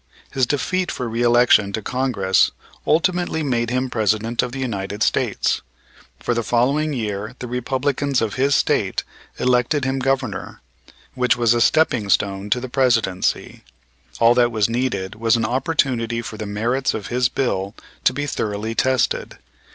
His defeat for reëlection to Congress ultimately made him President of the United States; for the following year the Republicans of his State elected him Governor, which was a stepping stone to the Presidency. All that was needed was an opportunity for the merits of his bill to be thoroughly tested.